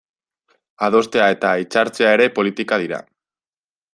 Adostea eta hitzartzea ere politika dira.